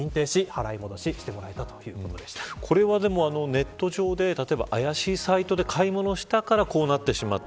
ネット上であやしいサイトで買い物をしたからこうなってしまった。